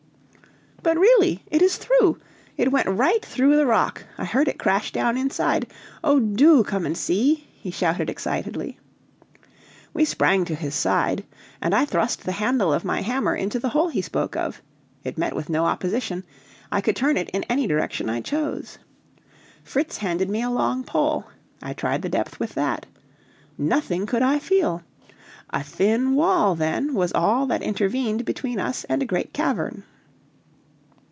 "But, really, it is through; it went right through the rock; I heard it crash down inside. Oh, do come and see!" he shouted excitedly. We sprang to his side, and I thrust the handle of my hammer into the hole he spoke of; it met with no opposition, I could turn it in any direction I chose. Fritz handed me a long pole; I tried the depth with that. Nothing could I feel. A thin wall, then, was all that intervened between us and a great cavern.